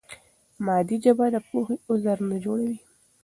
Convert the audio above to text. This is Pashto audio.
مادي ژبه د پوهې غدر نه جوړوي.